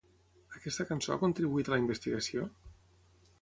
Aquesta cançó ha contribuït a la investigació?